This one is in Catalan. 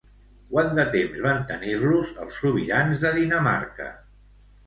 Quant de temps van tenir-los els sobirans de Dinamarca?